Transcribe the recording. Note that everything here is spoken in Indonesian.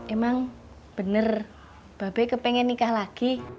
emang bener babe kepengen nikah lagi